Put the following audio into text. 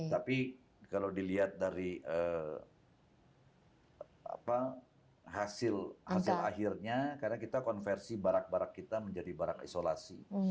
tapi kalau dilihat dari hasil akhirnya karena kita konversi barak barak kita menjadi barak isolasi